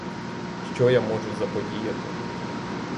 Що я можу заподіяти?